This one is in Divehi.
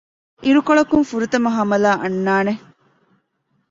އިރުކޮޅަކުން ފުރަތަމަަ ހަމަލާ އަންނާނެ